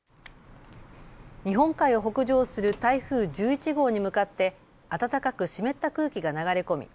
日本海を北上する台風１１号に向かって暖かく湿った空気が流れ込み